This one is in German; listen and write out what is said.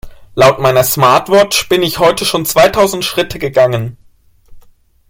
Laut meiner Smartwatch bin ich heute schon zweitausend Schritte gegangen.